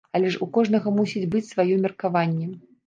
Але ж у кожнага мусіць быць сваё меркаванне.